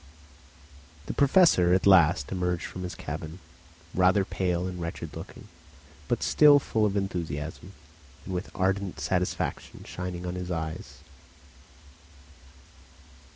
The Professor at last emerged from his cabin, rather pale and wretched looking, but still full of enthusiasm, and with ardent satisfaction shining in his eyes.